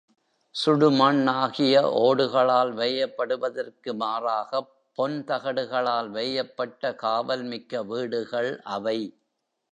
சுடுமண் ஆகிய ஒடுகளால் வேயப்படுவதற்கு மாறாகப் பொன் தகடுகளால் வேயப்பட்ட காவல் மிக்க வீடுகள் அவை.